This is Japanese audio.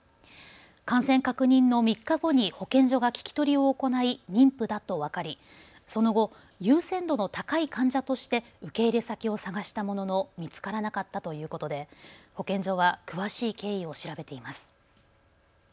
感染確認の３日後に保健所が聞き取りを行い妊婦だと分かりその後、優先度の高い患者として受け入れ先を探したものの見つからなかったということで保健所は詳しい経緯を調べています。